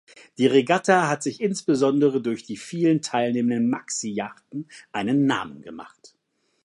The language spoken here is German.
Die Regatta hat sich insbesondere durch die vielen teilnehmenden Maxi-Yachten einen Namen gemacht.